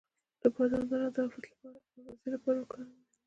د بادام دانه د حافظې لپاره وکاروئ